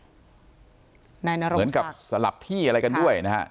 อืมนายนโรงศักดิ์เหมือนกับสลับที่อะไรกันด้วยนะฮะ